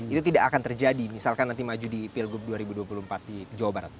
itu tidak akan terjadi misalkan nanti maju di pilgub dua ribu dua puluh empat di jawa barat